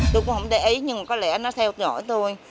tôi cũng không để ý nhưng có lẽ nó theo dõi tôi